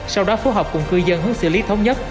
sau đó phù hợp cùng cư dân hướng xử lý thống nhất